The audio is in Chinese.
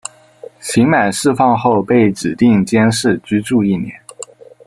刑满释放后被指定监视居住一年。